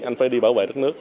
anh phải đi bảo vệ đất nước